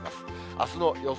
あすの予想